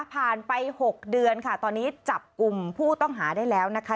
ผ่านไป๖เดือนค่ะตอนนี้จับกลุ่มผู้ต้องหาได้แล้วนะคะ